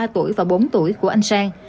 một mươi ba tuổi và bốn tuổi của anh sang